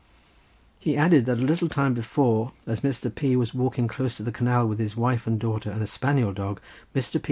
He added that a little time before, as Mr. P. was walking close to the canal with his wife and daughter and a spaniel dog, Mr. P.